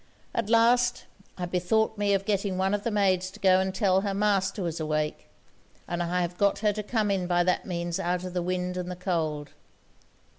At last, I bethought me of getting one of the maids to go and tell her Master was awake; and I have got her to come in by that means out of the wind and the cold.